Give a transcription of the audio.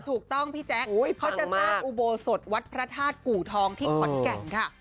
ถูกต้องพี่แจ๊คเขาจะสร้างอุโบสถวัดพระธาตุกู่ทองที่ขอนแก่นค่ะ